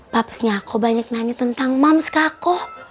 papsnya aku banyak nanya tentang mams kak